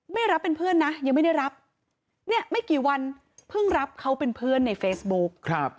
ไม่รับเป็นเพื่อนนะยังไม่ได้รับเนี่ยไม่กี่วันเพิ่งรับเขาเป็นเพื่อนในเฟซบุ๊ก